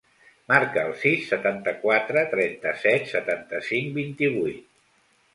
Marca el sis, setanta-quatre, trenta-set, setanta-cinc, vint-i-vuit.